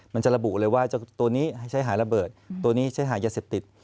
มันจะระบุเลยว่าเจ้าตัวนี้ให้ใช้หาระเบิดตัวนี้ใช้หายาเสพติด